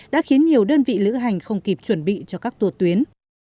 đã khiến nhiều đơn vị lữ hành không kịp chuẩn bị cho các tour tuyến